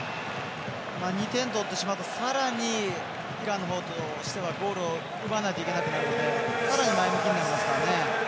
２点取られてしまうとさらにイランの方としてはゴールを奪わないといけなくなるのでさらに前向きになりますからね。